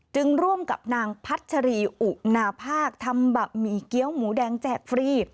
ร่วมกับนางพัชรีอุณาภาคทำบะหมี่เกี้ยวหมูแดงแจกฟรี